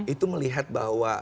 itu melihat bahwa